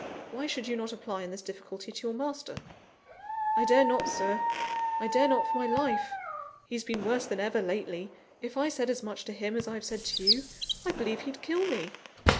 Why should you not apply in this difficulty to your master?" "I dare not, Sir; I dare not for my life. He's been worse than ever, lately; if I said as much to him as I've said to you, I believe he'd kill me!"